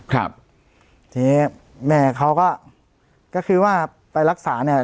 ครับทีนี้แม่เขาก็ก็คือว่าไปรักษาเนี่ย